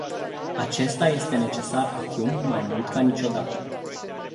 Acesta este necesar acum mai mult ca niciodată.